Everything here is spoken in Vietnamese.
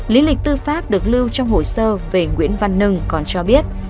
lý lịch tư pháp được lưu trong hồ sơ về nguyễn văn nưng còn cho biết